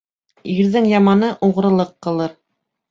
Ирҙең яманы уғрылыҡ ҡылыр